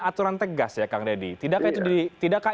aturan tegas ya kang deddy tidakkah